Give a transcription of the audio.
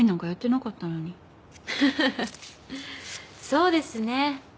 そうですね。